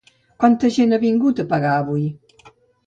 Quanta gent ha vingut a pagar avui?